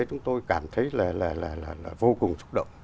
chúng tôi cảm thấy là vô cùng xúc động